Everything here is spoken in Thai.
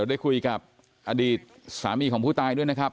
ได้คุยกับอดีตสามีของผู้ตายด้วยนะครับ